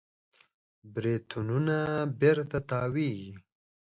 بریتونونه بېرته تاوېږي.